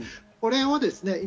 これをですね